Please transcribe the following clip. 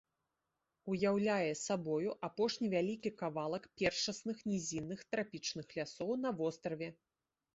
Уяўляе сабою апошні вялікі кавалак першасных нізінных трапічных лясоў на востраве.